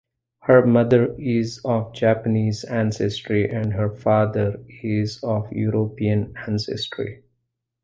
Her mother is of Japanese ancestry and her father is of European ancestry.